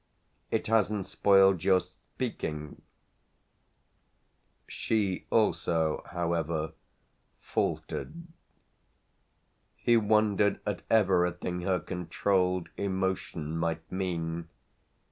It hasn't spoiled your speaking " She also however faltered. He wondered at everything her controlled emotion might mean.